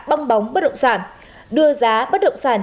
bong bóng bất động sản đưa giá bất động sản